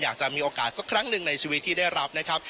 อยากจะมีโอกาสสักครั้งหนึ่งในชีวิตที่ได้รับนะครับ